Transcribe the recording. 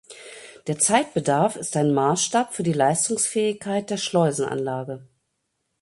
Der Zeitbedarf ist ein Maßstab für die Leistungsfähigkeit der Schleusenanlage.